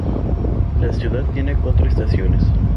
La ciudad tiene cuatro estaciones.